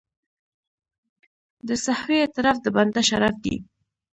د سهوې اعتراف د بنده شرف دی.